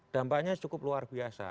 dampaknya cukup luar biasa